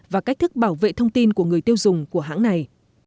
và cách thức bảo vệ thông tin của người tiêu dùng của hãng này